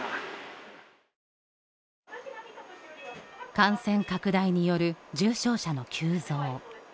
感染拡大による重症者の急増。